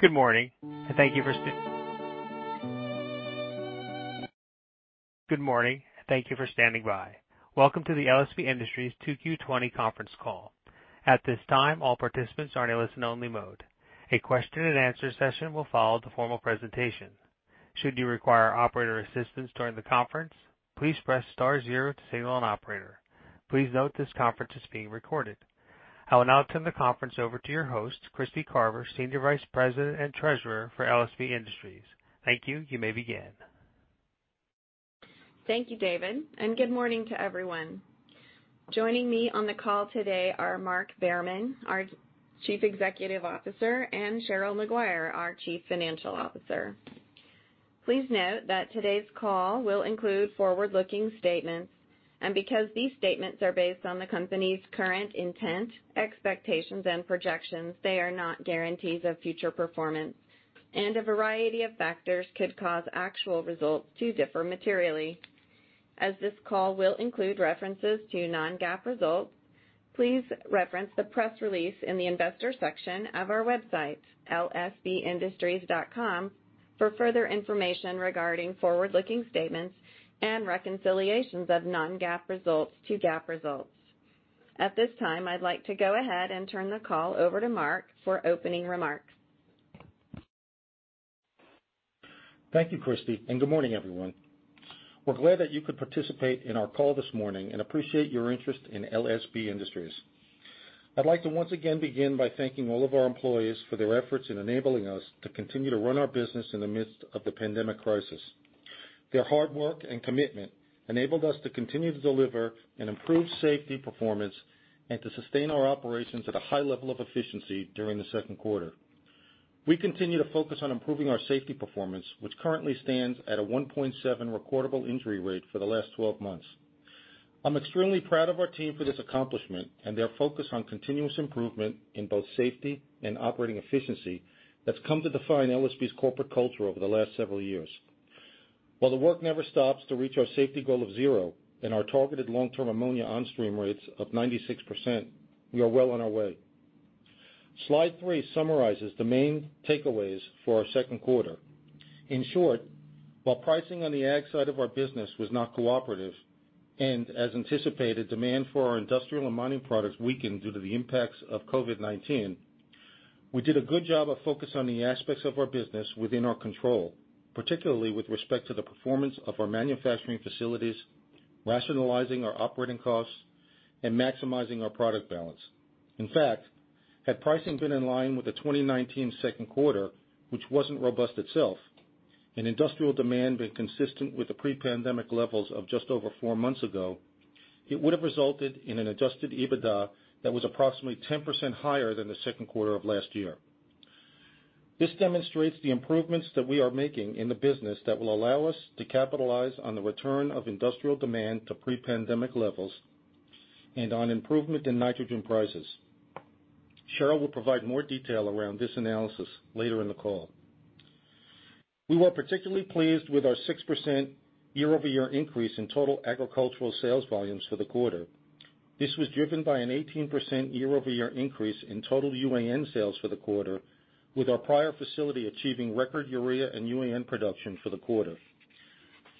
Good morning, and thank you for standing by. Welcome to the LSB Industries 2Q20 conference call. At this time, all participants are in a listen only mode. A question and answer session will follow the formal presentation. Should you require operator assistance during the conference, please press star zero to signal an operator. Please note this conference is being recorded. I will now turn the conference over to your host, Kristy Carver, Senior Vice President and Treasurer for LSB Industries. Thank you. You may begin. Thank you, David, good morning to everyone. Joining me on the call today are Mark Behrman, our Chief Executive Officer, and Cheryl Maguire, our Chief Financial Officer. Please note that today's call will include forward-looking statements, and because these statements are based on the company's current intent, expectations, and projections, they are not guarantees of future performance. A variety of factors could cause actual results to differ materially. As this call will include references to non-GAAP results, please reference the press release in the investor section of our website, lsbindustries.com, for further information regarding forward-looking statements and reconciliations of non-GAAP results to GAAP results. At this time, I'd like to go ahead and turn the call over to Mark for opening remarks. Thank you, Kristy, and good morning, everyone. We're glad that you could participate in our call this morning and appreciate your interest in LSB Industries. I'd like to once again begin by thanking all of our employees for their efforts in enabling us to continue to run our business in the midst of the pandemic crisis. Their hard work and commitment enabled us to continue to deliver an improved safety performance and to sustain our operations at a high level of efficiency during the second quarter. We continue to focus on improving our safety performance, which currently stands at a 1.7 recordable injury rate for the last 12 months. I'm extremely proud of our team for this accomplishment and their focus on continuous improvement in both safety and operating efficiency that's come to define LSB's corporate culture over the last several years. While the work never stops to reach our safety goal of zero and our targeted long-term ammonia on stream rates of 96%, we are well on our way. Slide three summarizes the main takeaways for our second quarter. In short, while pricing on the ag side of our business was not cooperative, and as anticipated, demand for our industrial and mining products weakened due to the impacts of COVID-19. We did a good job of focusing on the aspects of our business within our control, particularly with respect to the performance of our manufacturing facilities, rationalizing our operating costs, and maximizing our product balance. In fact, had pricing been in line with the 2019 second quarter, which wasn't robust itself, and industrial demand been consistent with the pre-pandemic levels of just over four months ago, it would have resulted in an adjusted EBITDA that was approximately 10% higher than the second quarter of last year. This demonstrates the improvements that we are making in the business that will allow us to capitalize on the return of industrial demand to pre-pandemic levels and on improvement in nitrogen prices. Cheryl will provide more detail around this analysis later in the call. We were particularly pleased with our 6% year-over-year increase in total agricultural sales volumes for the quarter. This was driven by an 18% year-over-year increase in total UAN sales for the quarter, with our Pryor facility achieving record urea and UAN production for the quarter.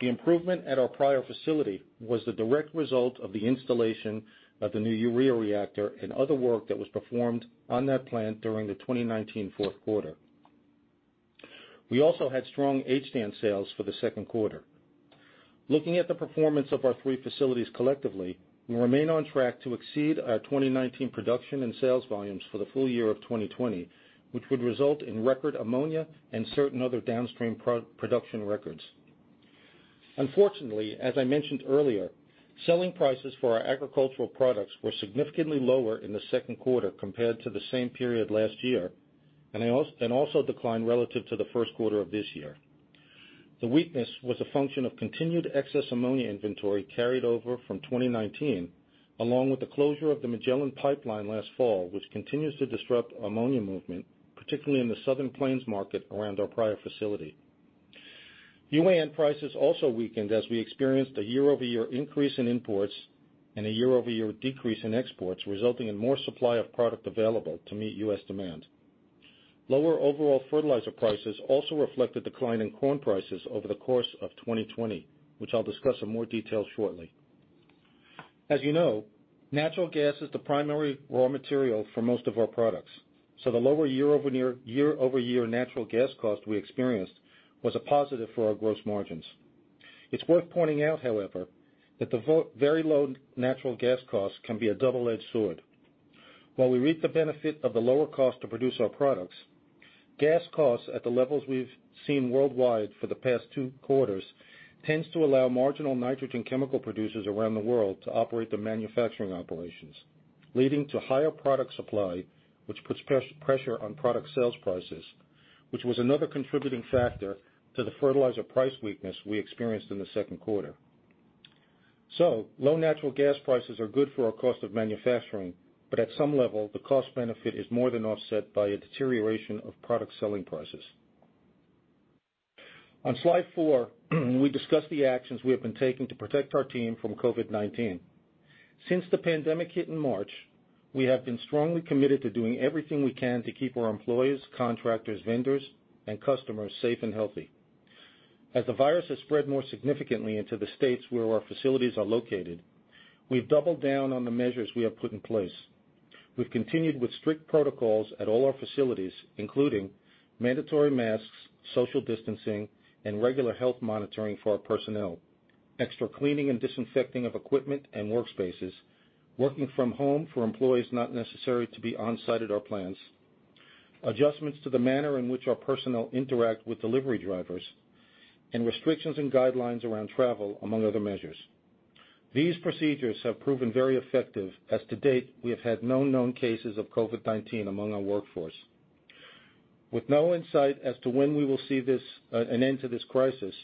The improvement at our Pryor facility was the direct result of the installation of the new urea reactor and other work that was performed on that plant during the 2019 fourth quarter. We also had strong HDAN sales for the second quarter. Looking at the performance of our three facilities collectively, we remain on track to exceed our 2019 production and sales volumes for the full year of 2020, which would result in record ammonia and certain other downstream production records. Unfortunately, as I mentioned earlier, selling prices for our agricultural products were significantly lower in the second quarter compared to the same period last year, and also declined relative to the first quarter of this year. The weakness was a function of continued excess ammonia inventory carried over from 2019, along with the closure of the Magellan pipeline last fall, which continues to disrupt ammonia movement, particularly in the Southern Plains market around our Pryor facility. UAN prices also weakened as we experienced a year-over-year increase in imports and a year-over-year decrease in exports, resulting in more supply of product available to meet U.S. demand. Lower overall fertilizer prices also reflect the decline in corn prices over the course of 2020, which I'll discuss in more detail shortly. As you know, natural gas is the primary raw material for most of our products. The lower year-over-year natural gas cost we experienced was a positive for our gross margins. It's worth pointing out, however, that the very low natural gas cost can be a double-edged sword. While we reap the benefit of the lower cost to produce our products, gas costs at the levels we've seen worldwide for the past two quarters tends to allow marginal nitrogen chemical producers around the world to operate their manufacturing operations, leading to higher product supply, which puts pressure on product sales prices, which was another contributing factor to the fertilizer price weakness we experienced in the second quarter. Low natural gas prices are good for our cost of manufacturing, but at some level, the cost benefit is more than offset by a deterioration of product selling prices. On slide four, we discuss the actions we have been taking to protect our team from COVID-19. Since the pandemic hit in March, we have been strongly committed to doing everything we can to keep our employees, contractors, vendors, and customers safe and healthy. As the virus has spread more significantly into the states where our facilities are located, we've doubled down on the measures we have put in place. We've continued with strict protocols at all our facilities, including mandatory masks, social distancing, and regular health monitoring for our personnel, extra cleaning and disinfecting of equipment and workspaces, working from home for employees not necessary to be on-site at our plants, adjustments to the manner in which our personnel interact with delivery drivers, and restrictions and guidelines around travel, among other measures. These procedures have proven very effective, as to date, we have had no known cases of COVID-19 among our workforce. With no insight as to when we will see an end to this crisis,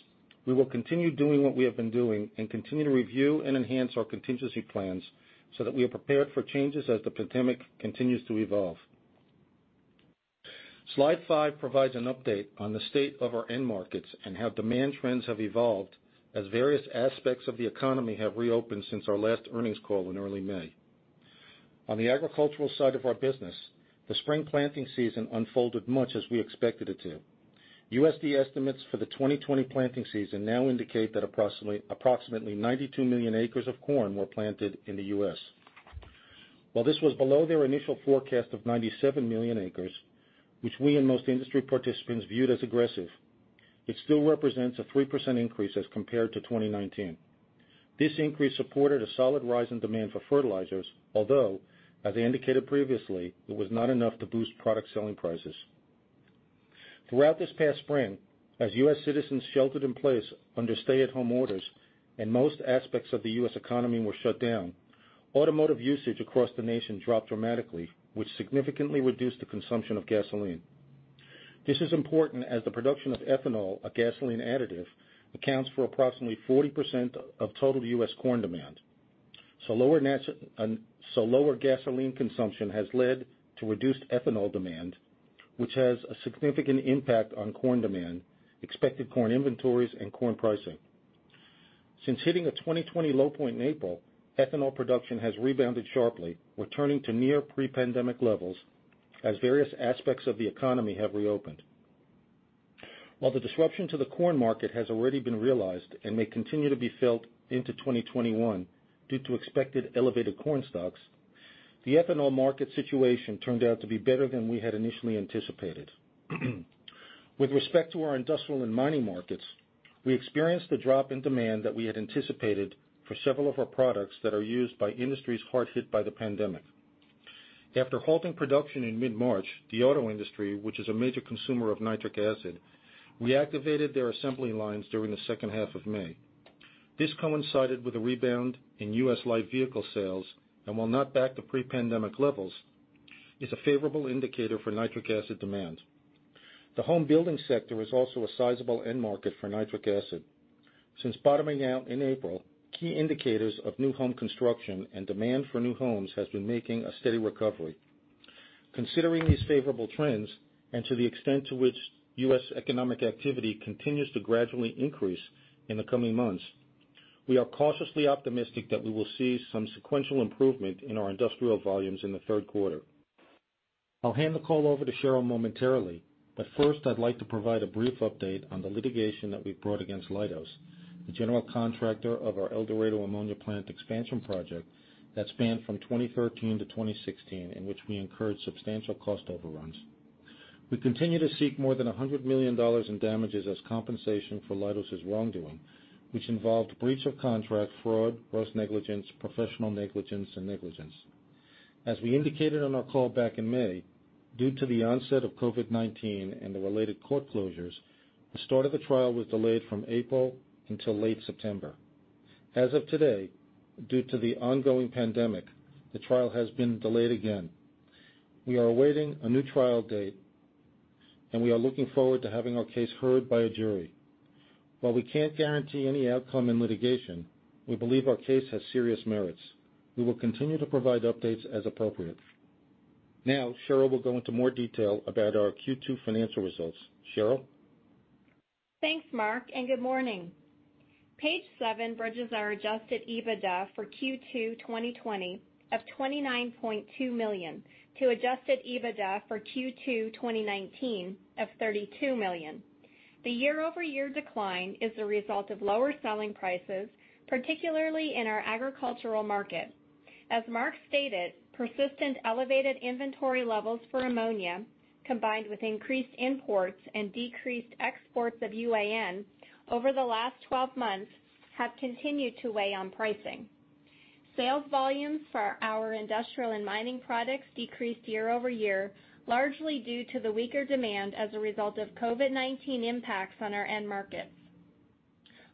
we will continue doing what we have been doing and continue to review and enhance our contingency plans so that we are prepared for changes as the pandemic continues to evolve. Slide five provides an update on the state of our end markets and how demand trends have evolved as various aspects of the economy have reopened since our last earnings call in early May. On the agricultural side of our business, the spring planting season unfolded much as we expected it to. USDA estimates for the 2020 planting season now indicate that approximately 92 million acres of corn were planted in the U.S. While this was below their initial forecast of 97 million acres, which we and most industry participants viewed as aggressive, it still represents a 3% increase as compared to 2019. This increase supported a solid rise in demand for fertilizers, although, as indicated previously, it was not enough to boost product selling prices. Throughout this past spring, as U.S. citizens sheltered in place under stay-at-home orders and most aspects of the U.S. economy were shut down, automotive usage across the nation dropped dramatically, which significantly reduced the consumption of gasoline. This is important as the production of ethanol, a gasoline additive, accounts for approximately 40% of total U.S. corn demand. Lower gasoline consumption has led to reduced ethanol demand, which has a significant impact on corn demand, expected corn inventories, and corn pricing. Since hitting a 2020 low point in April, ethanol production has rebounded sharply, returning to near pre-pandemic levels as various aspects of the economy have reopened. While the disruption to the corn market has already been realized and may continue to be felt into 2021 due to expected elevated corn stocks, the ethanol market situation turned out to be better than we had initially anticipated. With respect to our industrial and mining markets, we experienced a drop in demand that we had anticipated for several of our products that are used by industries hard hit by the pandemic. After halting production in mid-March, the auto industry, which is a major consumer of nitric acid, reactivated their assembly lines during the second half of May. This coincided with a rebound in U.S. light vehicle sales, and while not back to pre-pandemic levels, is a favorable indicator for nitric acid demand. The home building sector was also a sizable end market for nitric acid. Since bottoming out in April, key indicators of new home construction and demand for new homes has been making a steady recovery. Considering these favorable trends, and to the extent to which U.S. economic activity continues to gradually increase in the coming months, we are cautiously optimistic that we will see some sequential improvement in our industrial volumes in the third quarter. I'll hand the call over to Cheryl momentarily, but first, I'd like to provide a brief update on the litigation that we've brought against Leidos, the general contractor of our El Dorado Ammonia Plant expansion project that spanned from 2013 to 2016, in which we incurred substantial cost overruns. We continue to seek more than $100 million in damages as compensation for Leidos' wrongdoing, which involved breach of contract, fraud, gross negligence, professional negligence, and negligence. As we indicated on our call back in May, due to the onset of COVID-19 and the related court closures, the start of the trial was delayed from April until late September. As of today, due to the ongoing pandemic, the trial has been delayed again. We are awaiting a new trial date, and we are looking forward to having our case heard by a jury. While we can't guarantee any outcome in litigation, we believe our case has serious merits. We will continue to provide updates as appropriate. Now, Cheryl will go into more detail about our Q2 financial results. Cheryl? Thanks, Mark, and good morning. Page seven bridges our adjusted EBITDA for Q2 2020 of $29.2 million to adjusted EBITDA for Q2 2019 of $32 million. The year-over-year decline is the result of lower selling prices, particularly in our agricultural market. As Mark stated, persistent elevated inventory levels for ammonia, combined with increased imports and decreased exports of UAN over the last 12 months, have continued to weigh on pricing. Sales volumes for our industrial and mining products decreased year-over-year, largely due to the weaker demand as a result of COVID-19 impacts on our end markets.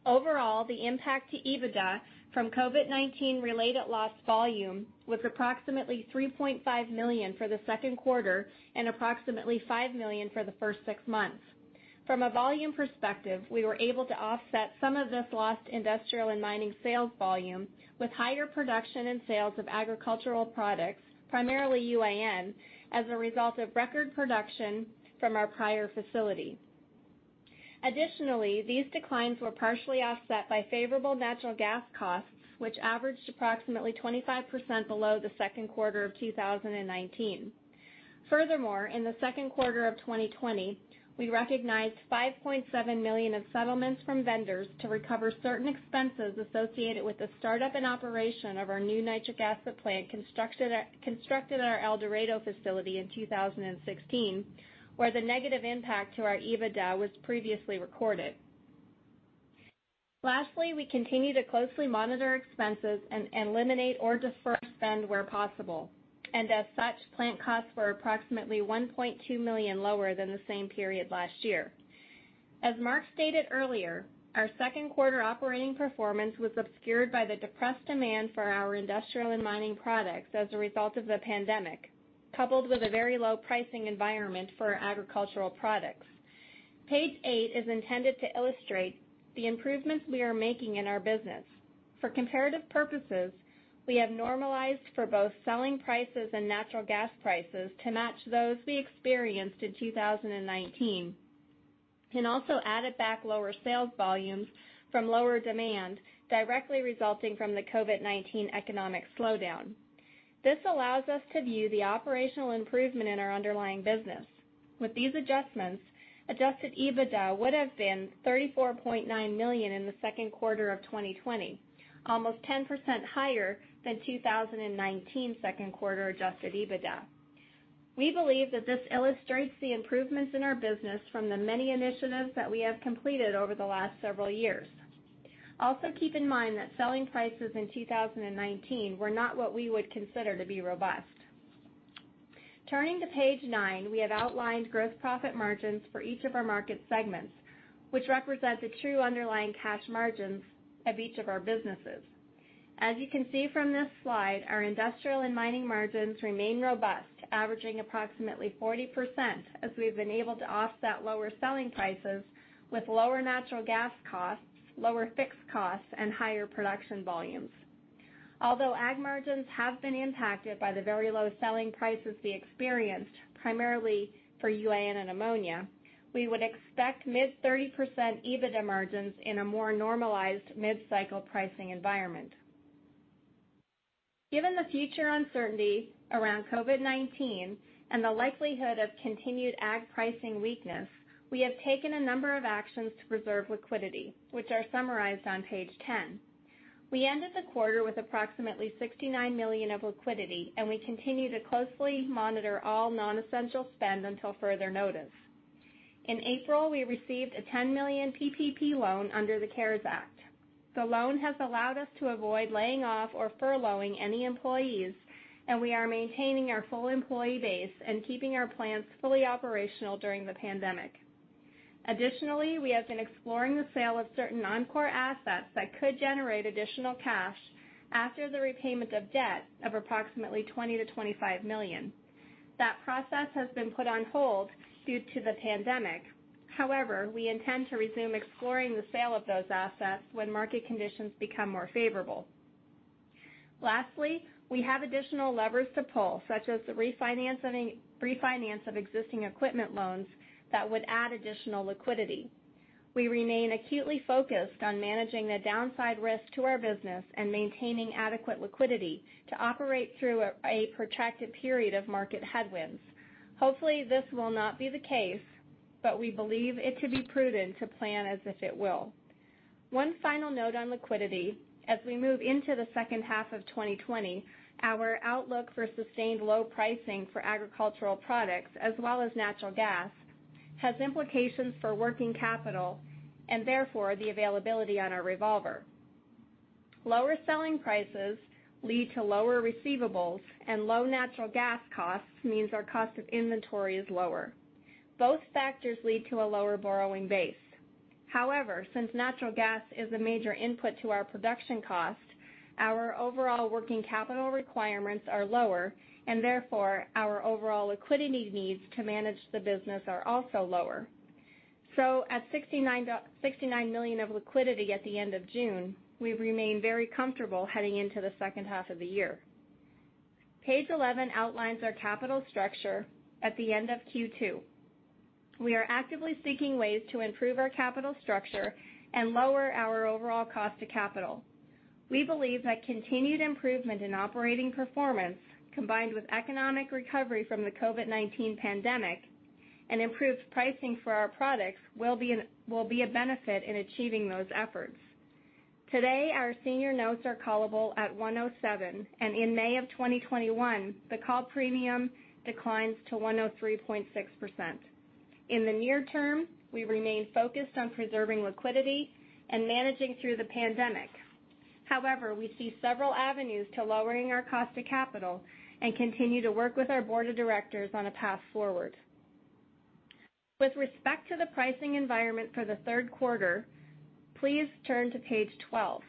Overall, the impact to EBITDA from COVID-19-related lost volume was approximately $3.5 million for the second quarter and approximately $5 million for the first six months. From a volume perspective, we were able to offset some of this lost industrial and mining sales volume with higher production and sales of agricultural products, primarily UAN, as a result of record production from our Pryor facility. These declines were partially offset by favorable natural gas costs, which averaged approximately 25% below the second quarter of 2019. In the second quarter of 2020, we recognized $5.7 million of settlements from vendors to recover certain expenses associated with the startup and operation of our new nitric acid plant constructed at our El Dorado facility in 2016, where the negative impact to our EBITDA was previously recorded. We continue to closely monitor expenses and eliminate or defer spend where possible, and as such, plant costs were approximately $1.2 million lower than the same period last year. As Mark stated earlier, our second-quarter operating performance was obscured by the depressed demand for our industrial and mining products as a result of the pandemic, coupled with a very low pricing environment for our agricultural products. Page eight is intended to illustrate the improvements we are making in our business. For comparative purposes, we have normalized for both selling prices and natural gas prices to match those we experienced in 2019, and also added back lower sales volumes from lower demand directly resulting from the COVID-19 economic slowdown. This allows us to view the operational improvement in our underlying business. With these adjustments, adjusted EBITDA would have been $34.9 million in the second quarter of 2020, almost 10% higher than 2019 second quarter adjusted EBITDA. We believe that this illustrates the improvements in our business from the many initiatives that we have completed over the last several years. Also, keep in mind that selling prices in 2019 were not what we would consider to be robust. Turning to page nine, we have outlined gross profit margins for each of our market segments, which represent the true underlying cash margins of each of our businesses. As you can see from this slide, our industrial and mining margins remain robust, averaging approximately 40%, as we've been able to offset lower selling prices with lower natural gas costs, lower fixed costs, and higher production volumes. Ag margins have been impacted by the very low selling prices we experienced, primarily for UAN and ammonia, we would expect mid 30% EBITDA margins in a more normalized mid-cycle pricing environment. Given the future uncertainty around COVID-19 and the likelihood of continued ag pricing weakness, we have taken a number of actions to preserve liquidity, which are summarized on page 10. We ended the quarter with approximately $69 million of liquidity, and we continue to closely monitor all non-essential spend until further notice. In April, we received a $10 million PPP loan under the CARES Act. The loan has allowed us to avoid laying off or furloughing any employees, and we are maintaining our full employee base and keeping our plants fully operational during the pandemic. Additionally, we have been exploring the sale of certain non-core assets that could generate additional cash after the repayment of debt of approximately $20 million-$25 million. That process has been put on hold due to the pandemic. However, we intend to resume exploring the sale of those assets when market conditions become more favorable. Lastly, we have additional levers to pull, such as the refinance of existing equipment loans that would add additional liquidity. We remain acutely focused on managing the downside risk to our business and maintaining adequate liquidity to operate through a protracted period of market headwinds. Hopefully, this will not be the case, but we believe it to be prudent to plan as if it will. One final note on liquidity. As we move into the second half of 2020, our outlook for sustained low pricing for agricultural products as well as natural gas has implications for working capital and therefore the availability on our revolver. Lower selling prices lead to lower receivables and low natural gas costs means our cost of inventory is lower. Both factors lead to a lower borrowing base. However, since natural gas is a major input to our production cost, our overall working capital requirements are lower, and therefore, our overall liquidity needs to manage the business are also lower. At $69 million of liquidity at the end of June, we remain very comfortable heading into the second half of the year. Page 11 outlines our capital structure at the end of Q2. We are actively seeking ways to improve our capital structure and lower our overall cost of capital. We believe that continued improvement in operating performance, combined with economic recovery from the COVID-19 pandemic and improved pricing for our products, will be a benefit in achieving those efforts. Today, our senior notes are callable at 107, and in May of 2021, the call premium declines to 103.6%. In the near term, we remain focused on preserving liquidity and managing through the pandemic. We see several avenues to lowering our cost of capital and continue to work with our board of directors on a path forward. With respect to the pricing environment for the third quarter, please turn to page 12.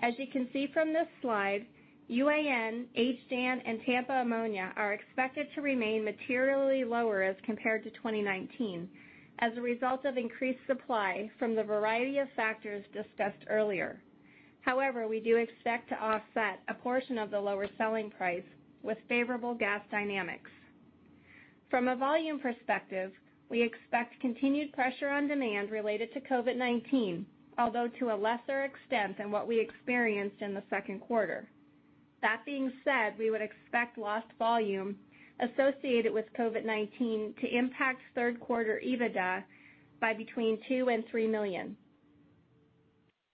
As you can see from this slide, UAN, HDAN, and Tampa ammonia are expected to remain materially lower as compared to 2019 as a result of increased supply from the variety of factors discussed earlier. However, we do expect to offset a portion of the lower selling price with favorable gas dynamics. From a volume perspective, we expect continued pressure on demand related to COVID-19, although to a lesser extent than what we experienced in the second quarter. That being said, we would expect lost volume associated with COVID-19 to impact third-quarter EBITDA by between $2 million and $3 million.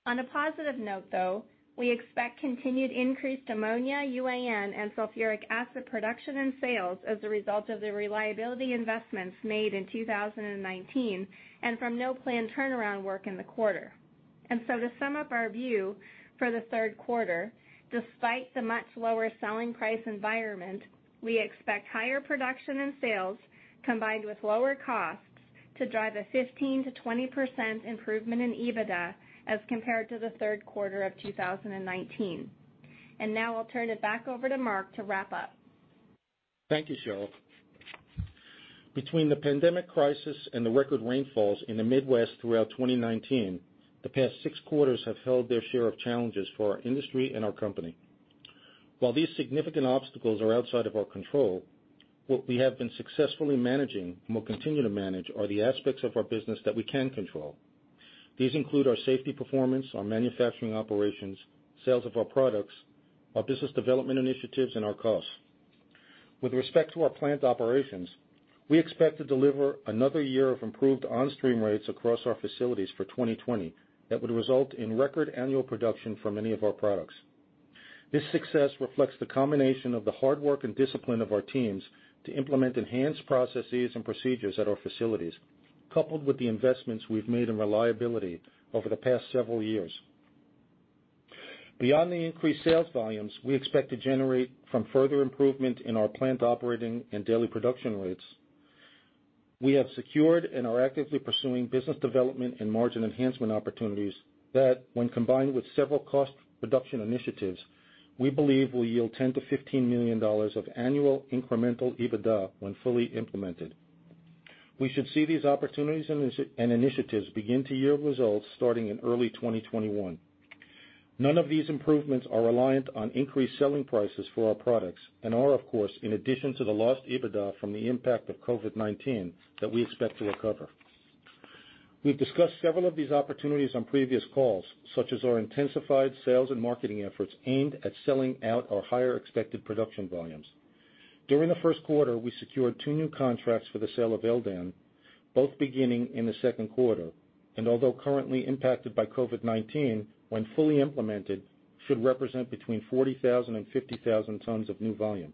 On a positive note, though, we expect continued increased ammonia, UAN, and sulfuric acid production and sales as a result of the reliability investments made in 2019 and from no planned turnaround work in the quarter. To sum up our view for the third quarter, despite the much lower selling price environment, we expect higher production and sales combined with lower costs to drive a 15%-20% improvement in EBITDA as compared to the third quarter of 2019. Now I'll turn it back over to Mark to wrap up. Thank you, Cheryl. Between the pandemic crisis and the record rainfalls in the Midwest throughout 2019, the past six quarters have held their share of challenges for our industry and our company. While these significant obstacles are outside of our control, what we have been successfully managing and will continue to manage are the aspects of our business that we can control. These include our safety performance, our manufacturing operations, sales of our products, our business development initiatives, and our costs. With respect to our plant operations, we expect to deliver another year of improved on-stream rates across our facilities for 2020 that would result in record annual production for many of our products. This success reflects the combination of the hard work and discipline of our teams to implement enhanced processes and procedures at our facilities, coupled with the investments we've made in reliability over the past several years. Beyond the increased sales volumes we expect to generate from further improvement in our plant operating and daily production rates, we have secured and are actively pursuing business development and margin enhancement opportunities that, when combined with several cost reduction initiatives, we believe will yield $10 million-$15 million of annual incremental EBITDA when fully implemented. We should see these opportunities and initiatives begin to yield results starting in early 2021. None of these improvements are reliant on increased selling prices for our products and are, of course, in addition to the lost EBITDA from the impact of COVID-19 that we expect to recover. We've discussed several of these opportunities on previous calls, such as our intensified sales and marketing efforts aimed at selling out our higher expected production volumes. During the first quarter, we secured two new contracts for the sale of LDAN, both beginning in the second quarter, and although currently impacted by COVID-19, when fully implemented, should represent between 40,000 and 50,000 tons of new volume.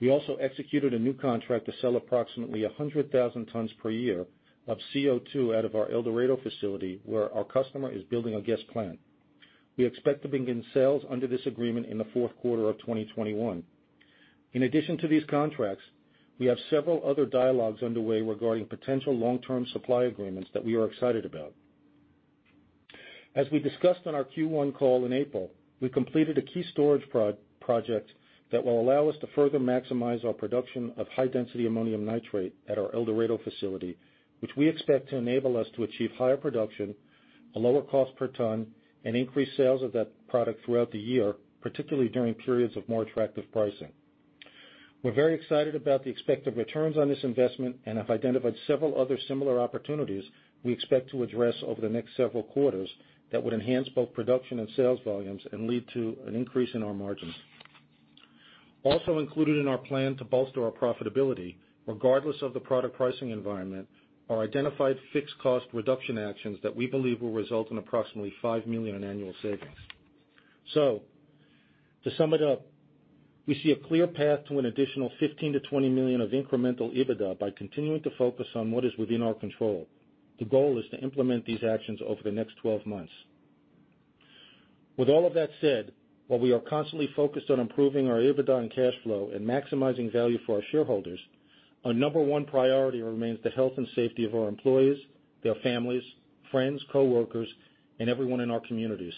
We also executed a new contract to sell approximately 100,000 tons per year of CO₂ out of our El Dorado facility, where our customer is building a gas plant. We expect to begin sales under this agreement in the fourth quarter of 2021. In addition to these contracts, we have several other dialogues underway regarding potential long-term supply agreements that we are excited about. As we discussed on our Q1 call in April, we completed a key storage project that will allow us to further maximize our production of high-density ammonium nitrate at our El Dorado facility, which we expect to enable us to achieve higher production, a lower cost per ton, and increased sales of that product throughout the year, particularly during periods of more attractive pricing. We're very excited about the expected returns on this investment and have identified several other similar opportunities we expect to address over the next several quarters that would enhance both production and sales volumes and lead to an increase in our margins. Also included in our plan to bolster our profitability, regardless of the product pricing environment, are identified fixed cost reduction actions that we believe will result in approximately $5 million in annual savings. To sum it up, we see a clear path to an additional $15 million-$20 million of incremental EBITDA by continuing to focus on what is within our control. The goal is to implement these actions over the next 12 months. All of that said, while we are constantly focused on improving our EBITDA and cash flow and maximizing value for our shareholders, our number one priority remains the health and safety of our employees, their families, friends, coworkers, and everyone in our communities.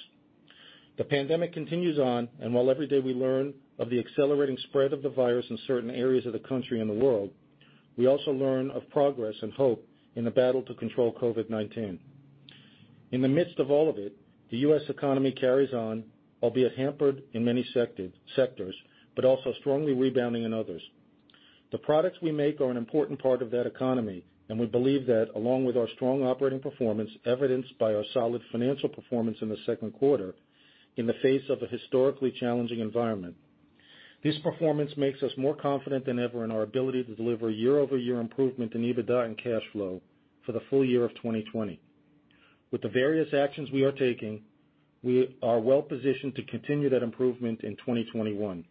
The pandemic continues on. While every day we learn of the accelerating spread of the virus in certain areas of the country and the world, we also learn of progress and hope in the battle to control COVID-19. In the midst of all of it, the U.S. economy carries on, albeit hampered in many sectors, but also strongly rebounding in others. The products we make are an important part of that economy, we believe that along with our strong operating performance evidenced by our solid financial performance in the second quarter in the face of a historically challenging environment. This performance makes us more confident than ever in our ability to deliver year-over-year improvement in EBITDA and cash flow for the full year of 2020. With the various actions we are taking, we are well positioned to continue that improvement in 2021.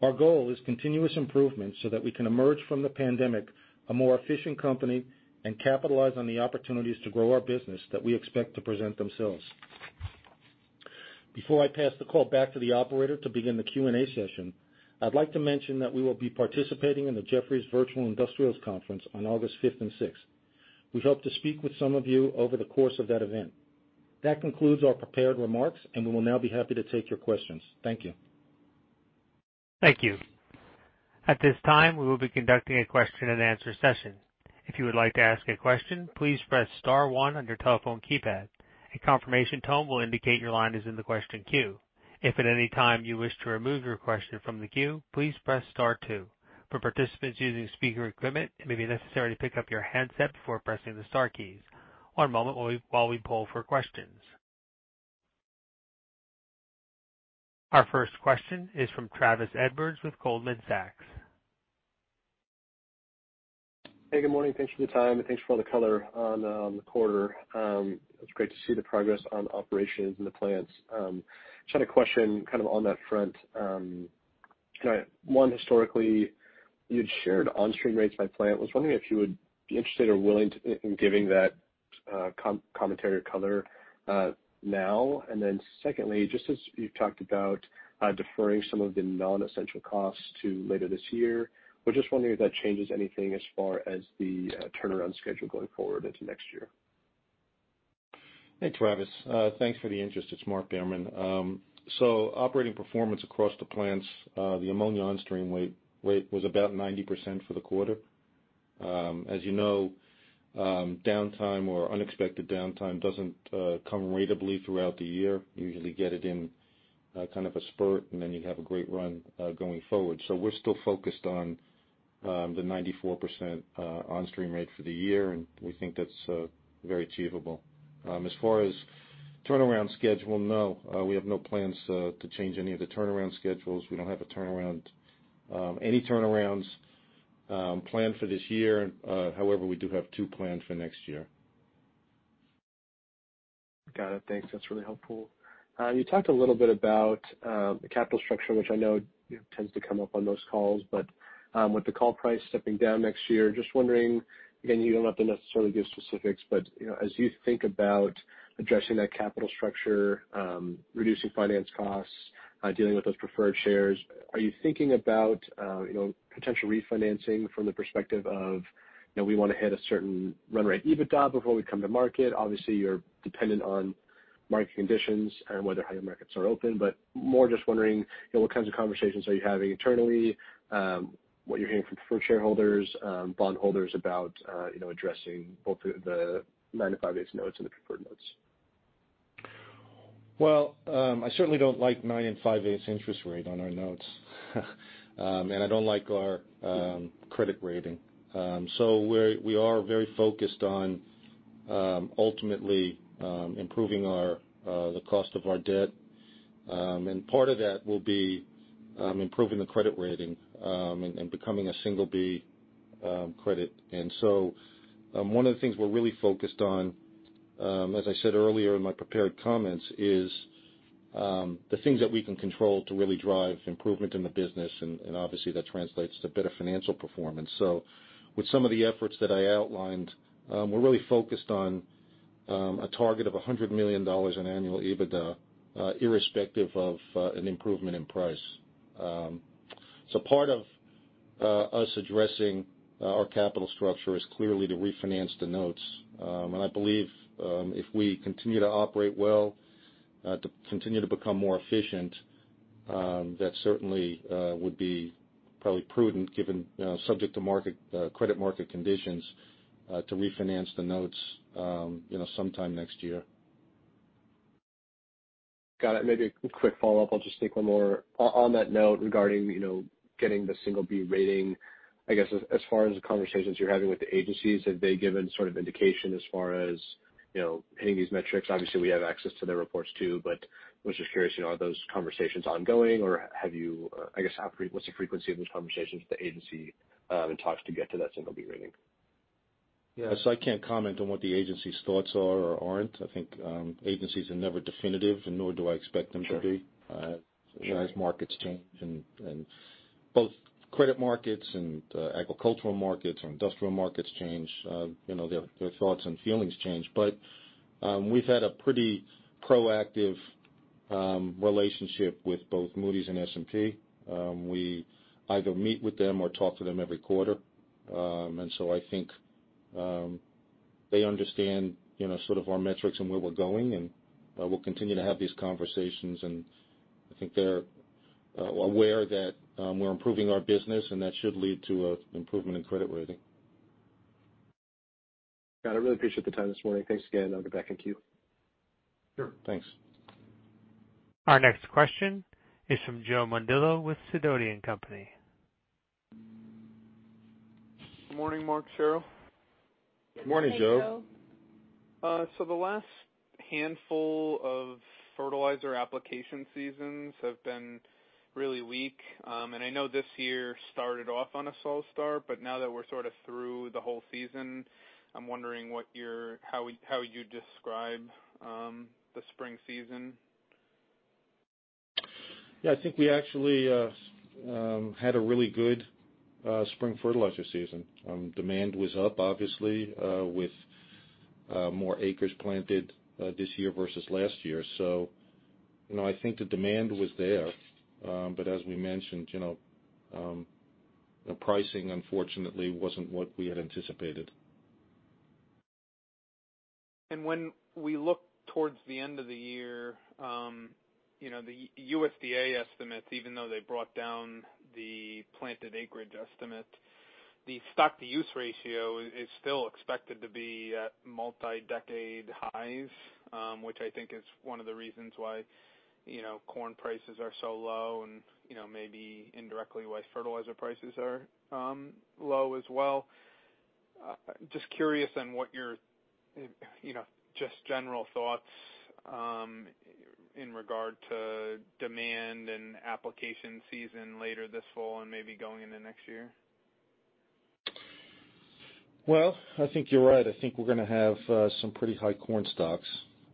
Our goal is continuous improvement that we can emerge from the pandemic a more efficient company and capitalize on the opportunities to grow our business that we expect to present themselves. Before I pass the call back to the operator to begin the Q&A session, I'd like to mention that we will be participating in the Jefferies Virtual Industrials Conference on August 5th and 6th. We hope to speak with some of you over the course of that event. That concludes our prepared remarks, and we will now be happy to take your questions. Thank you. Thank you. At this time, we will be conducting a question-and-answer session. If you would like to ask a question, please press star one on your telephone keypad. A confirmation tone will indicate your line is in the question queue. If at any time you wish to remove your question from the queue, please press star two. For participants using speaker equipment, it may be necessary to pick up your handset before pressing the star keys. One moment while we poll for questions. Our first question is from Travis Edwards with Goldman Sachs. Hey, good morning. Thanks for the time, and thanks for all the color on the quarter. It's great to see the progress on operations in the plants. Just had a question kind of on that front. One, historically, you'd shared on-stream rates by plant. Was wondering if you would be interested or willing in giving that commentary or color now? Secondly, just as you've talked about deferring some of the non-essential costs to later this year, was just wondering if that changes anything as far as the turnaround schedule going forward into next year? Hey, Travis. Thanks for the interest. It's Mark Behrman. Operating performance across the plants, the ammonia on-stream rate was about 90% for the quarter. As you know, downtime or unexpected downtime doesn't come ratably throughout the year. Usually get it in kind of a spurt, and then you have a great run going forward. We're still focused on the 94% on-stream rate for the year, and we think that's very achievable. As far as turnaround schedule, no, we have no plans to change any of the turnaround schedules. We don't have any turnarounds planned for this year. However, we do have two planned for next year. Got it. Thanks. That's really helpful. You talked a little bit about the capital structure, which I know tends to come up on most calls, but with the call price stepping down next year, just wondering, again, you don't have to necessarily give specifics, but as you think about addressing that capital structure, reducing finance costs, dealing with those preferred shares, are you thinking about potential refinancing from the perspective of we want to hit a certain run rate EBITDA before we come to market? You're dependent on market conditions and whether hiring markets are open, but more just wondering what kinds of conversations are you having internally, what you're hearing from preferred shareholders, bondholders about addressing both the 9 5/8% notes and the preferred notes. I certainly don't like 9 5/8% interest rate on our notes. I don't like our credit rating. We are very focused on ultimately improving the cost of our debt. Part of that will be improving the credit rating and becoming a Single-B credit. One of the things we're really focused on, as I said earlier in my prepared comments, is the things that we can control to really drive improvement in the business, and obviously, that translates to better financial performance. With some of the efforts that I outlined, we're really focused on a target of $100 million in annual EBITDA, irrespective of an improvement in price. Part of us addressing our capital structure is clearly to refinance the notes. I believe if we continue to operate well, to continue to become more efficient, that certainly would be probably prudent, given subject to credit market conditions, to refinance the notes sometime next year. Got it. Maybe a quick follow-up. I'll just take one more. On that note, regarding getting the Single-B rating, I guess as far as the conversations you're having with the agencies, have they given sort of indication as far as hitting these metrics? Obviously, we have access to their reports too, but was just curious, are those conversations ongoing, or I guess, what's the frequency of those conversations with the agency in talks to get to that Single-B rating? Yeah. I can't comment on what the agency's thoughts are or aren't. I think agencies are never definitive, and nor do I expect them to be. As markets change and both credit markets and agricultural markets or industrial markets change, their thoughts and feelings change. We've had a pretty proactive relationship with both Moody's and S&P. We either meet with them or talk to them every quarter. I think they understand sort of our metrics and where we're going, and we'll continue to have these conversations, and I think they're aware that we're improving our business, and that should lead to improvement in credit rating. Got it. Really appreciate the time this morning. Thanks again. I'll get back in queue. Sure. Thanks. Our next question is from Joe Mondillo with Sidoti & Company. Good morning, Mark, Cheryl. Good morning, Joe. Hey, Joe. The last handful of fertilizer application seasons have been really weak. I know this year started off on a slow start, but now that we're sort of through the whole season, I'm wondering how you'd describe the spring season. I think we actually had a really good spring fertilizer season. Demand was up, obviously, with more acres planted this year versus last year. I think the demand was there. As we mentioned, the pricing, unfortunately, wasn't what we had anticipated. When we look towards the end of the year, the USDA estimates, even though they brought down the planted acreage estimate, the stock-to-use ratio is still expected to be at multi-decade highs, which I think is one of the reasons why corn prices are so low and maybe indirectly why fertilizer prices are low as well. Just curious on what your just general thoughts in regard to demand and application season later this fall and maybe going into next year. Well, I think you're right. I think we're going to have some pretty high corn stocks.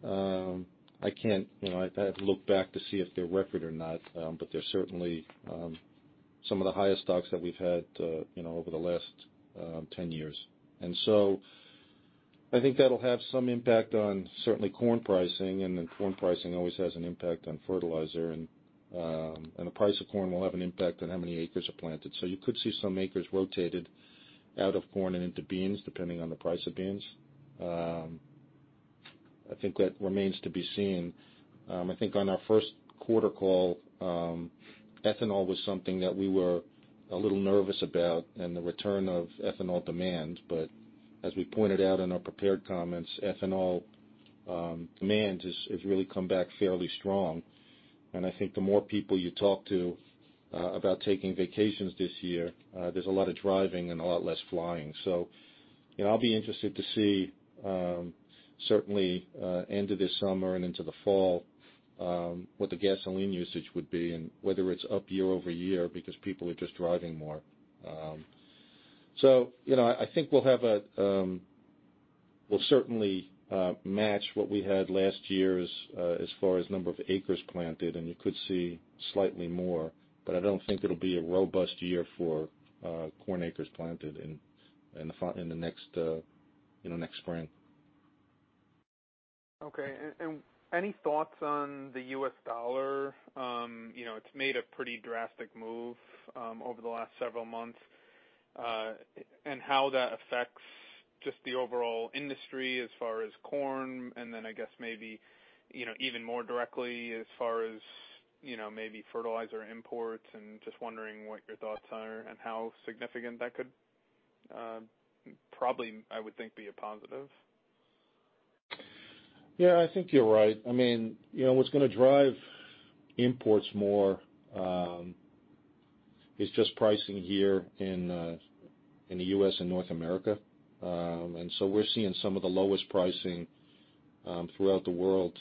I'd have to look back to see if they're record or not. They're certainly some of the highest stocks that we've had over the last 10 years. I think that'll have some impact on certainly corn pricing, and then corn pricing always has an impact on fertilizer. The price of corn will have an impact on how many acres are planted. You could see some acres rotated out of corn and into beans, depending on the price of beans. I think that remains to be seen. I think on our first quarter call, ethanol was something that we were a little nervous about and the return of ethanol demand. As we pointed out in our prepared comments, ethanol demand has really come back fairly strong. I think the more people you talk to about taking vacations this year, there's a lot of driving and a lot less flying. I'll be interested to see, certainly, end of this summer and into the fall, what the gasoline usage would be and whether it's up year-over-year because people are just driving more. I think we'll certainly match what we had last year as far as number of acres planted, and you could see slightly more, but I don't think it'll be a robust year for corn acres planted in the next spring. Okay. Any thoughts on the U.S. dollar? It's made a pretty drastic move over the last several months. How that affects just the overall industry as far as corn, and then I guess maybe even more directly as far as maybe fertilizer imports and just wondering what your thoughts are and how significant that could probably, I would think, be a positive. Yeah, I think you're right. What's going to drive imports more is just pricing here in the U.S. and North America. We're seeing some of the lowest pricing throughout the world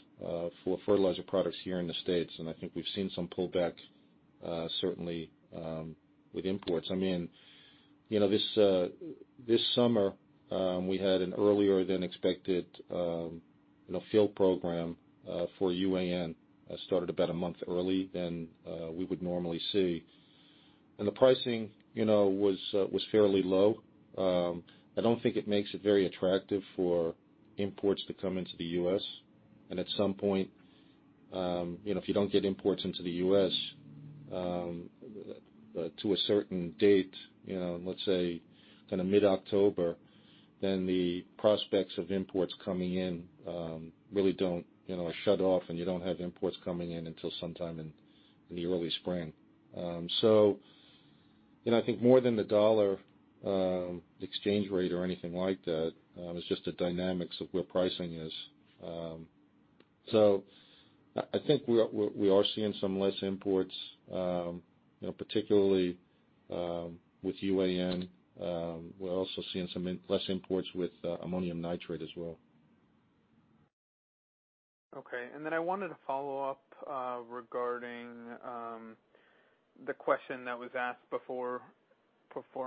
for fertilizer products here in the States. I think we've seen some pullback certainly with imports. This summer, we had an earlier than expected field program for UAN, started about a month early than we would normally see. The pricing was fairly low. I don't think it makes it very attractive for imports to come into the U.S. At some point, if you don't get imports into the U.S. to a certain date, let's say mid-October, the prospects of imports coming in really are shut off. You don't have imports coming in until sometime in the early spring. I think more than the dollar exchange rate or anything like that, it's just the dynamics of where pricing is. I think we are seeing some less imports, particularly with UAN. We're also seeing some less imports with ammonium nitrate as well. Okay. I wanted to follow up regarding the question that was asked before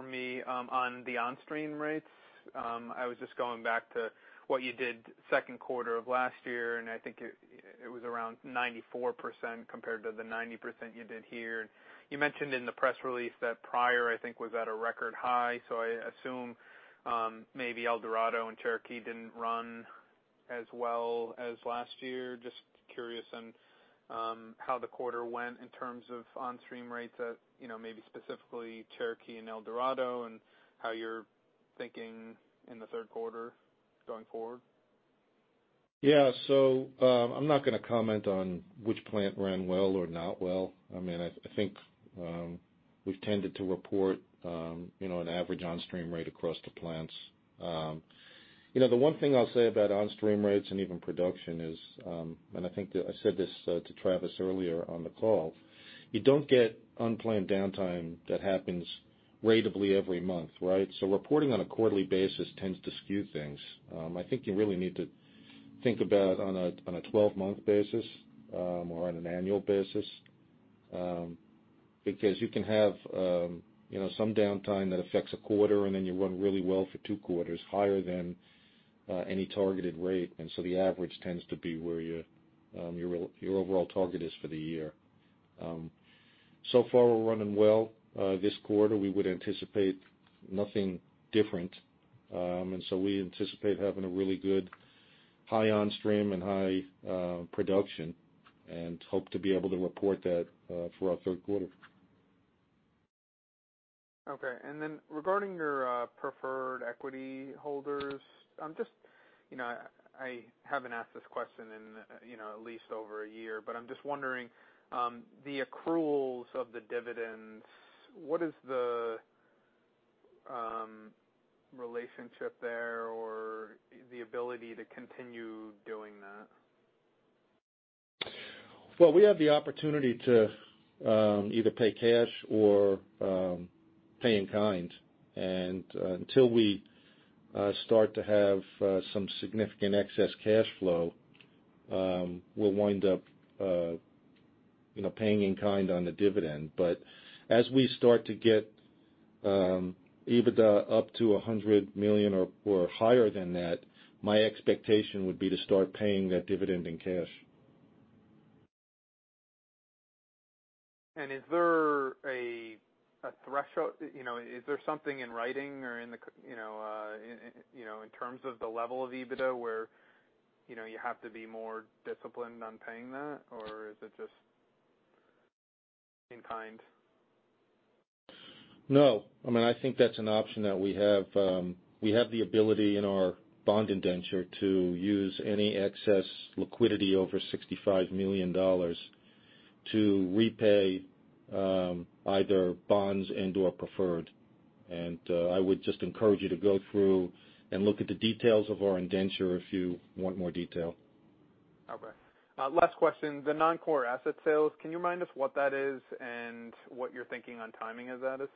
me on the on-stream rates. I was just going back to what you did second quarter of last year, and I think it was around 94% compared to the 90% you did here. You mentioned in the press release that Pryor, I think, was at a record high. I assume maybe El Dorado and Cherokee didn't run as well as last year. Just curious on how the quarter went in terms of on-stream rates at maybe specifically Cherokee and El Dorado and how you're thinking in the third quarter going forward. Yeah. I'm not going to comment on which plant ran well or not well. I think we've tended to report an average on-stream rate across the plants. The one thing I'll say about on-stream rates and even production is, and I think I said this to Travis earlier on the call, you don't get unplanned downtime that happens ratably every month, right? Reporting on a quarterly basis tends to skew things. I think you really need to think about on a 12-month basis or on an annual basis. You can have some downtime that affects a quarter, and then you run really well for two quarters, higher than any targeted rate. The average tends to where your overall target is for the year. So far, we're running well. This quarter, we would anticipate nothing different. We anticipate having a really good high on-stream and high production and hope to be able to report that for our third quarter. Okay. Then regarding your preferred equity holders, I haven't asked this question in at least over a year, but I'm just wondering, the accruals of the dividends, what is the relationship there or the ability to continue doing that? Well, we have the opportunity to either pay cash or pay in kind. Until we start to have some significant excess cash flow, we'll wind up paying in kind on the dividend. As we start to get EBITDA up to $100 million or higher than that, my expectation would be to start paying that dividend in cash. Is there a threshold? Is there something in writing or in terms of the level of EBITDA where you have to be more disciplined on paying that, or is it just in kind? No. I think that's an option that we have. We have the ability in our bond indenture to use any excess liquidity over $65 million to repay either bonds and/or preferred. I would just encourage you to go through and look at the details of our indenture if you want more detail. Okay. Last question. The non-core asset sales, can you remind us what that is and what you're thinking on timing of that is?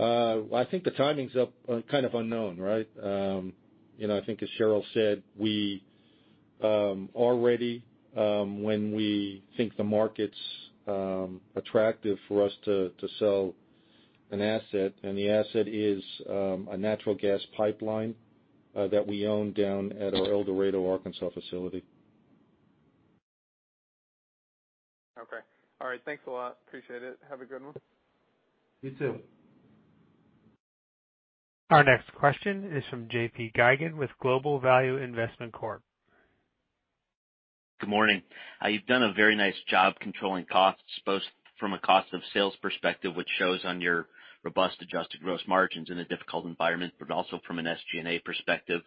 I think the timing's kind of unknown. I think as Cheryl said, we are ready when we think the market's attractive for us to sell an asset, and the asset is a natural gas pipeline that we own down at our El Dorado, Arkansas facility. Okay. All right. Thanks a lot. Appreciate it. Have a good one. You too. Our next question is from JP Geygan with Global Value Investment Corp. Good morning. You've done a very nice job controlling costs, both from a cost of sales perspective, which shows on your robust adjusted gross margins in a difficult environment, but also from an SG&A perspective.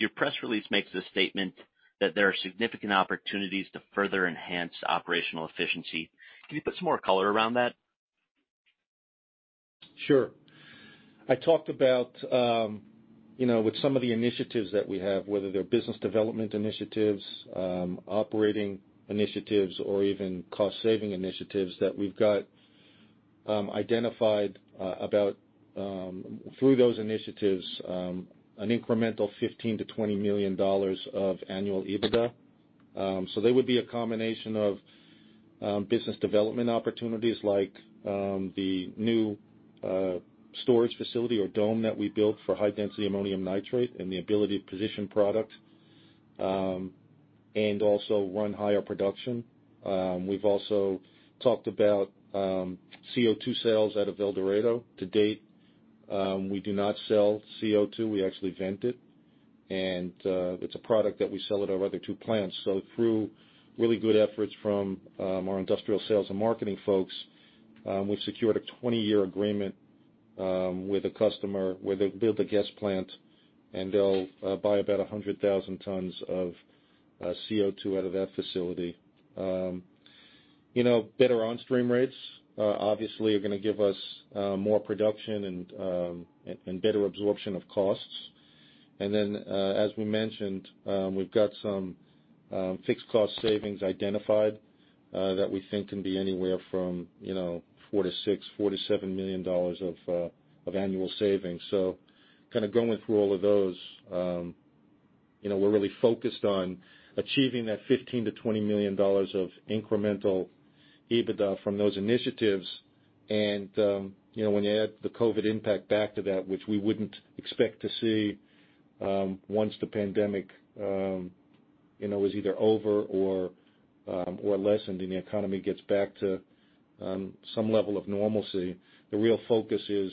Your press release makes the statement that there are significant opportunities to further enhance operational efficiency. Can you put some more color around that? Sure. I talked about with some of the initiatives that we have, whether they're business development initiatives, operating initiatives, or even cost saving initiatives, that we've got identified about through those initiatives, an incremental $15 million-$20 million of annual EBITDA. They would be a combination of business development opportunities like the new storage facility or dome that we built for High-density ammonium nitrate and the ability to position product, and also run higher production. We've also talked about CO₂ sales out of El Dorado. To date, we do not sell CO₂. We actually vent it, and it's a product that we sell at our other two plants. Through really good efforts from our industrial sales and marketing folks, we've secured a 20-year agreement with a customer where they've built a gas plant, and they'll buy about 100,000 tons of CO₂ out of that facility. Better on-stream rates obviously are going to give us more production and better absorption of costs. As we mentioned, we've got some fixed cost savings identified that we think can be anywhere from $46 million-$47 million of annual savings. Going through all of those, we're really focused on achieving that $15 million-$20 million of incremental EBITDA from those initiatives. When you add the COVID impact back to that, which we wouldn't expect to see once the pandemic is either over or lessened, and the economy gets back to some level of normalcy, the real focus is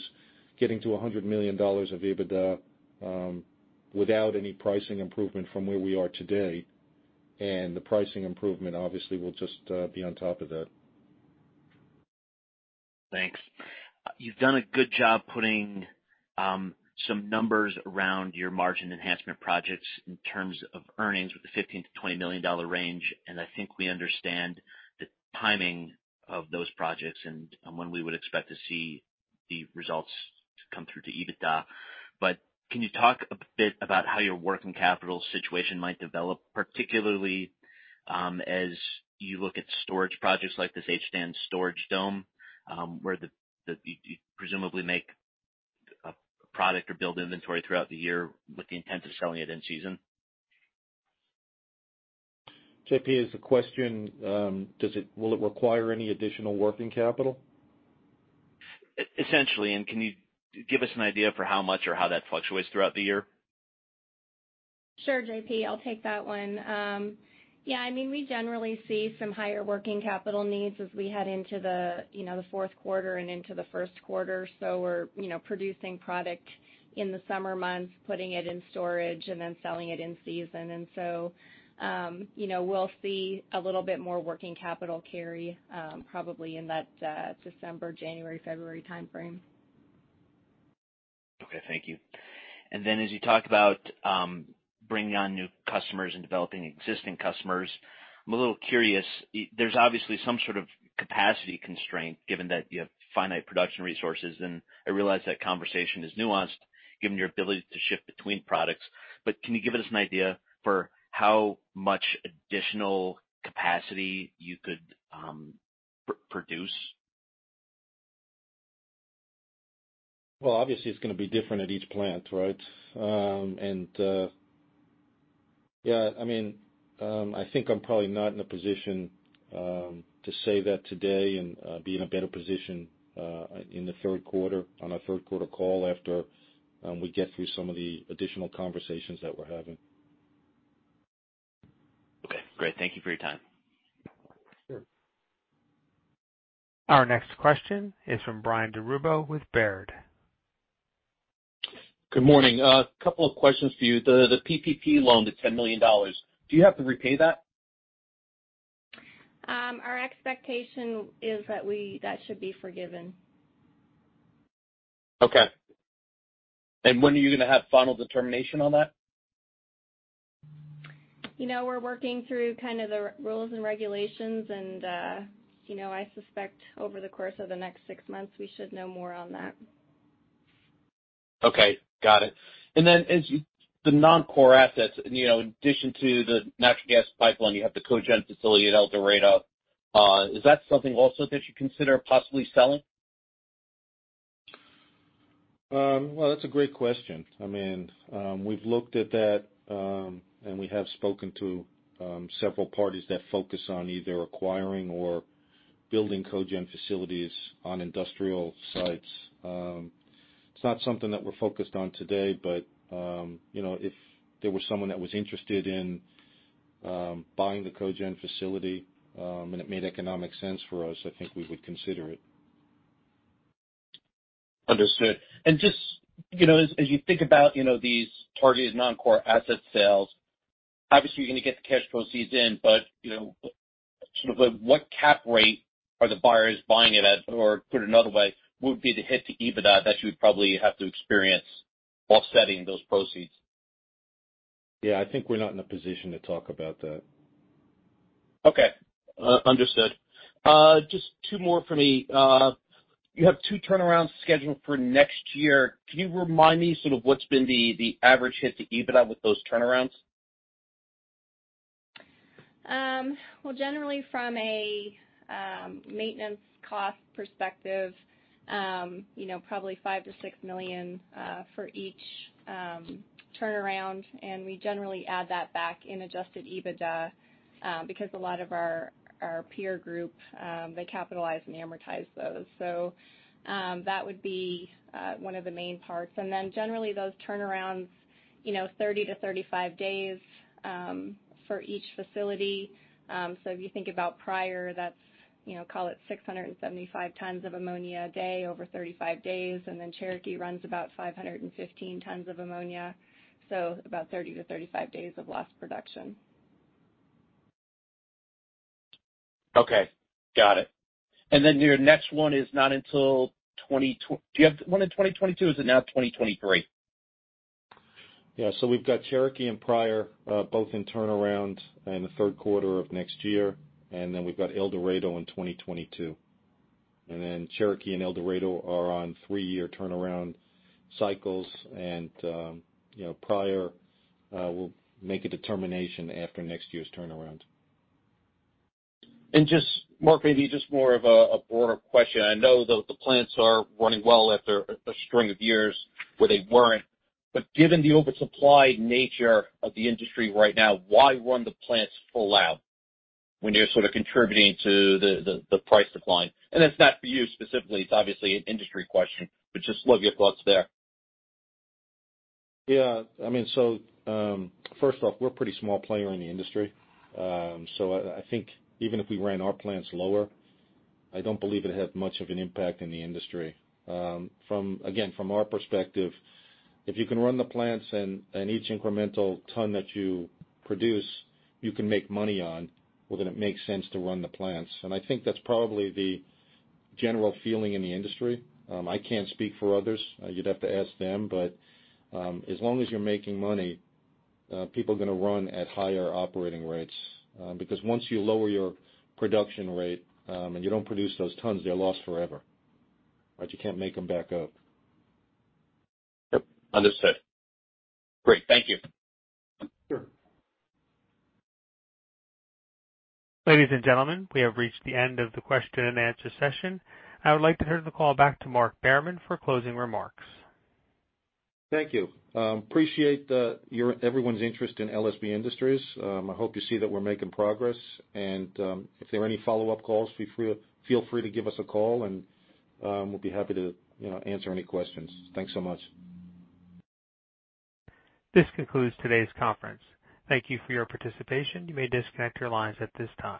getting to $100 million of EBITDA without any pricing improvement from where we are today. The pricing improvement obviously will just be on top of that. Thanks. You've done a good job putting some numbers around your margin enhancement projects in terms of earnings with the $15 million-$20 million range, and I think we understand the timing of those projects and when we would expect to see the results come through to EBITDA. Can you talk a bit about how your working capital situation might develop, particularly as you look at storage projects like this HDAN storage dome where you presumably make a product or build inventory throughout the year with the intent of selling it in season? JP, is the question will it require any additional working capital? Essentially, can you give us an idea for how much or how that fluctuates throughout the year? Sure, JP, I'll take that one. We generally see some higher working capital needs as we head into the fourth quarter and into the first quarter. We're producing product in the summer months, putting it in storage, and then selling it in season. We'll see a little bit more working capital carry probably in that December, January, February timeframe. Okay, thank you. As you talk about bringing on new customers and developing existing customers, I'm a little curious. There's obviously some sort of capacity constraint given that you have finite production resources, and I realize that conversation is nuanced given your ability to shift between products, but can you give us an idea for how much additional capacity you could produce? Well, obviously, it's going to be different at each plant, right? Yeah, I think I'm probably not in a position to say that today and be in a better position in the third quarter, on our third quarter call after we get through some of the additional conversations that we're having. Okay, great. Thank you for your time. Sure. Our next question is from Brian DiRubbio with Baird. Good morning. A couple of questions for you. The PPP loan, the $10 million, do you have to repay that? Our expectation is that should be forgiven. Okay. When are you going to have final determination on that? We're working through the rules and regulations and I suspect over the course of the next six months, we should know more on that. Okay, got it. As the non-core assets, in addition to the natural gas pipeline, you have the cogeneration facility at El Dorado. Is that something also that you consider possibly selling? Well, that's a great question. We've looked at that, and we have spoken to several parties that focus on either acquiring or building cogeneration facilities on industrial sites. It's not something that we're focused on today, but if there was someone that was interested in buying the cogeneration facility, and it made economic sense for us, I think we would consider it. Understood. As you think about these targeted non-core asset sales, obviously, you're going to get the cash proceeds in, but what cap rate are the buyers buying it at? Or put another way, what would be the hit to EBITDA that you would probably have to experience offsetting those proceeds? Yeah, I think we're not in a position to talk about that. Okay, understood. Just two more for me. You have two turnarounds scheduled for next year. Can you remind me what's been the average hit to EBITDA with those turnarounds? Generally from a maintenance cost perspective, probably $5 million-$6 million for each turnaround, and we generally add that back in adjusted EBITDA because a lot of our peer group capitalize and amortize those. That would be one of the main parts, and then generally those turnarounds, 30-35 days for each facility. If you think about Pryor, that's call it 675 tons of ammonia a day over 35 days, and then Cherokee runs about 515 tons of ammonia. About 30-35 days of lost production. Okay, got it. Your next one is not until, do you have one in 2022 or is it now 2023? Yeah. We've got Cherokee and Pryor both in turnaround in the third quarter of next year, and then we've got El Dorado in 2022. Cherokee and El Dorado are on three-year turnaround cycles and Pryor will make a determination after next year's turnaround. Mark, maybe just more of a broader question. I know the plants are running well after a string of years where they weren't, but given the oversupply nature of the industry right now, why run the plants full out when you're sort of contributing to the price decline? It's not for you specifically, it's obviously an industry question, but just would love your thoughts there. Yeah. First off, we're a pretty small player in the industry. I think even if we ran our plants lower, I don't believe it'd have much of an impact in the industry. Again, from our perspective, if you can run the plants and each incremental ton that you produce you can make money on, well, then it makes sense to run the plants. I think that's probably the general feeling in the industry. I can't speak for others. You'd have to ask them. As long as you're making money, people are going to run at higher operating rates. Once you lower your production rate, and you don't produce those tons, they're lost forever. Right? You can't make them back up. Yep. Understood. Great. Thank you. Sure. Ladies and gentlemen, we have reached the end of the question and answer session. I would like to turn the call back to Mark Behrman for closing remarks. Thank you. Appreciate everyone's interest in LSB Industries. I hope you see that we're making progress, and if there are any follow-up calls, feel free to give us a call and we'll be happy to answer any questions. Thanks so much. This concludes today's conference. Thank you for your participation. You may disconnect your lines at this time.